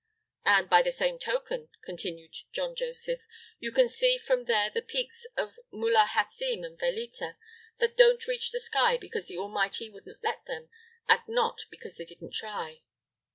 "And by the same token," continued John Joseph, "you can see from there the peaks of Mulha Hasem and Veleta, that don't reach the sky because the Almighty wouldn't let them, and not because they didn't try."